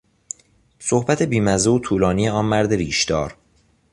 صحبت بیمزه و طولانی آن مرد ریشدار